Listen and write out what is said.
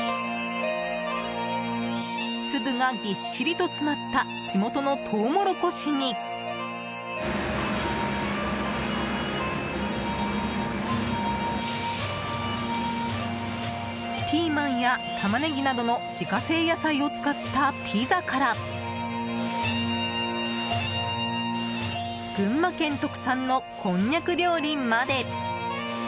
粒がぎっしりと詰まった地元のトウモロコシにピーマンやタマネギなどの自家製野菜を使ったピザから群馬県特産のこんにゃく料理まで！